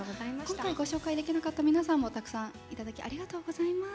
今回ご紹介できなかった皆さんもたくさんいただきありがとうございます。